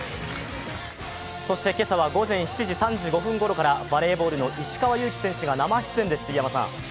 そして今朝は午前７時３５分ごろからバレーボールの石川祐希選手が生出演です。